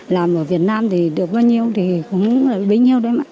làm ở việt nam thì được bao nhiêu thì cũng là bấy nhiêu đấy mà